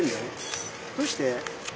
どうして？